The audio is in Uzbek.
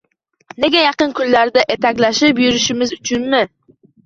Nega, yaqin kunlarda etaklashib yurishimiz uchunmi